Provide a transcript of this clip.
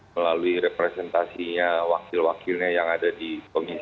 melalui representasinya wakil wakilnya yang ada di komis satu